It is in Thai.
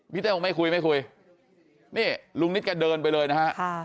เต้าไม่คุยไม่คุยนี่ลุงนิดแกเดินไปเลยนะฮะ